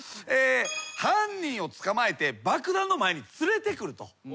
犯人を捕まえて爆弾の前に連れてくると。